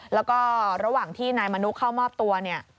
แล้วก็ระหว่างที่นายมนุษย์เข้ามอบตัว